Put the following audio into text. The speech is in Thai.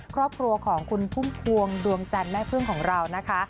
ครอบครัวของคุณพุ่มพวงดวงจันทร์แม่พึ่งของเรานะคะ